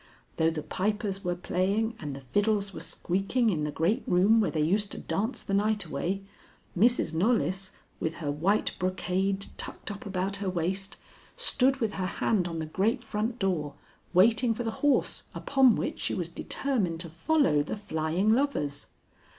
Though the pipers were playing and the fiddles were squeaking in the great room where they used to dance the night away, Mrs. Knollys, with her white brocade tucked up about her waist, stood with her hand on the great front door, waiting for the horse upon which she was determined to follow the flying lovers.